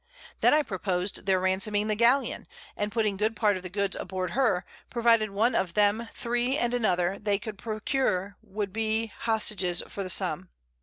Then I propos'd their ransoming the Galleon, and putting good part of the Goods aboard her, provided one of them three and another they could procure would be Hostages for the Sum.